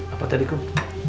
apa tadi kum